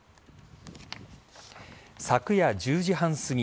昨夜１０時半すぎ